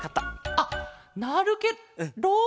あっなるケロ。